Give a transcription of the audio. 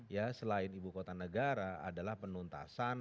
ya selain ibu kota negara adalah penuntasan